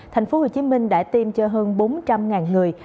tp hcm đã tiêm cho hơn bốn trăm linh người